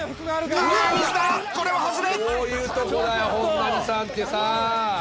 こういうとこだよ本並さんってさ。